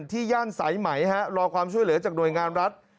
ย่านสายไหมรอความช่วยเหลือจากหน่วยงานรัฐ